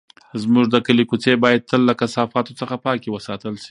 زموږ د کلي کوڅې باید تل له کثافاتو څخه پاکې وساتل شي.